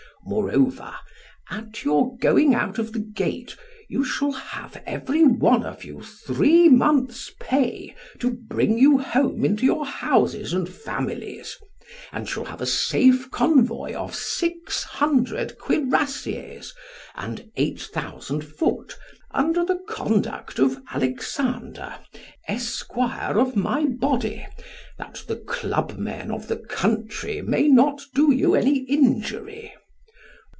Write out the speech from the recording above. Moreover, at your going out of the gate, you shall have every one of you three months' pay to bring you home into your houses and families, and shall have a safe convoy of six hundred cuirassiers and eight thousand foot under the conduct of Alexander, esquire of my body, that the clubmen of the country may not do you any injury.